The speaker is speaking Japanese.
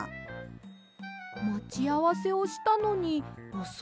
まちあわせをしたのにおそいですね。